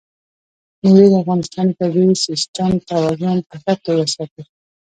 مېوې د افغانستان د طبعي سیسټم توازن په ښه توګه ساتي.